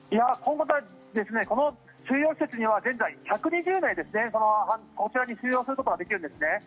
この収容施設には現在、１２０名こちらに収容することができるんですね。